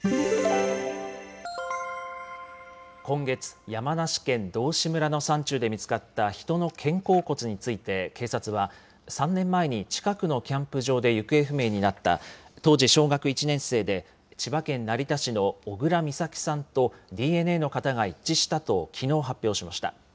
今月、山梨県道志村の山中で見つかった人の肩甲骨について、警察は、３年前に近くのキャンプ場で行方不明になった、当時小学１年生で、千葉県成田市の小倉美咲さんとＤＮＡの型が一致したときのう、発表しました。